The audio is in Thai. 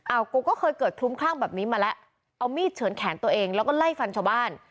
กูก็เคยเกิดคลุ้มคลั่งแบบนี้มาแล้วเอามีดเฉินแขนตัวเองแล้วก็ไล่ฟันชาวบ้าน